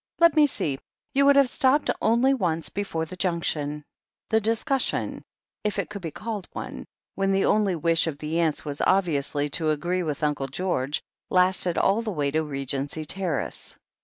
Let me see — ^you would have stopped only once before the Junction " The discussion, if it could be called one, when the only wish of the aunts was obviously to agree with Uncle George, lasted all the way to Regency Terrace.